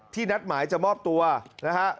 นัดหมายจะมอบตัวนะฮะ